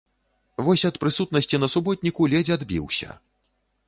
Вось ад прысутнасці на суботніку ледзь адбіўся.